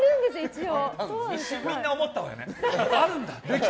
みんな思ったわよね。